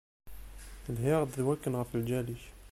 Lhiɣ-d d wakken ɣef lǧal-ik.